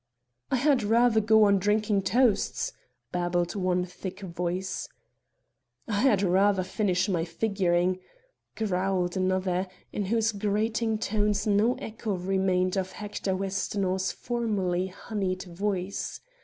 "I had rather go on drinking toasts," babbled one thick voice. "I had rather finish my figuring," growled another, in whose grating tones no echo remained of Hector Westonhaugh's formerly honeyed voice.